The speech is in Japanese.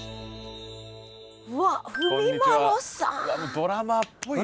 ドラマーっぽいわ。